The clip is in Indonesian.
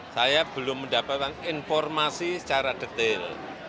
saya belum mendapatkan informasi secara detail